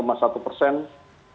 nah ini juga untuk pemerintah jlk